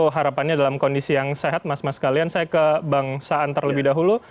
harapannya dalam kondisi yang sehat mas mas kalian saya ke bang saan terlebih dahulu